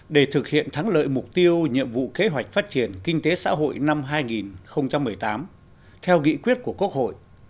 để thực hiện thắng lợi mục tiêu nhiệm vụ kế hoạch phát triển kinh tế xã hội năm hai nghìn một mươi tám theo nghị quyết của quốc hội